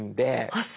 あっ！